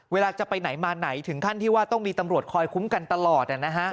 เวลาจะไปไหนมาไหนถึงขั้นที่ว่าต้องมีตำรวจคอยคุ้มกันตลอด